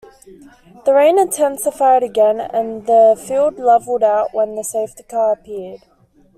The rain intensified again and the field levelled out when the safety car appeared.